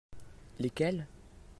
Lesquels ?